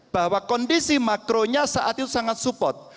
bahwa kondisi makronya saat itu sangat support